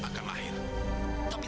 tidak lama lagi anakmu akan lahir